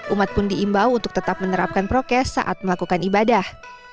umat pun diimbau untuk tetap menerapkan prokes saat melakukan ibadah